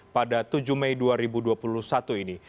pada tujuh mei dua ribu dua puluh satu ini